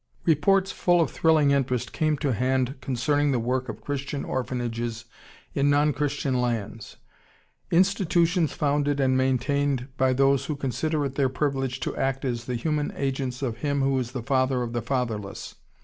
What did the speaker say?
] Reports full of thrilling interest come to hand concerning the work of Christian orphanages in non Christian lands, institutions founded and maintained by those who consider it their privilege to act as the human agents of Him who is the "Father of the fatherless."